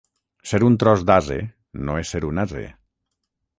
Ser un tros d'ase no és ser un ase.